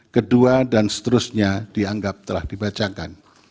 kedua dan seterusnya dianggap telah dibacakan